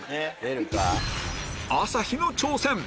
朝日の挑戦